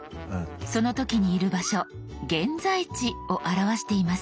その時にいる場所「現在地」を表しています。